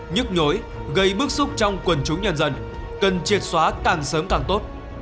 nhức nhối gây bức xúc trong quần chúng nhân dân cần triệt xóa càng sớm càng tốt